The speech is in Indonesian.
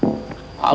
ya apa pak togar